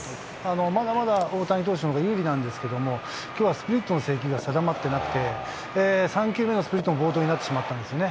まだまだ大谷投手のほうが有利なんですけれども、きょうはスプリットの制球が定まってなくて、３球目のスプリットも暴投になってしまったんですね。